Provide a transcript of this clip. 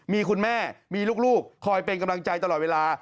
มีคุณแม่มีลูกคอยเป็นกำลังใจตลอดเวลา